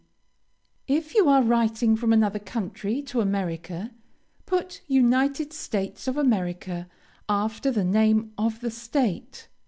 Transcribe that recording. If you are writing from another country to America, put United States of America after the name of the state.